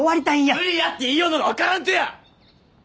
無理やって言いようのが分からんとや！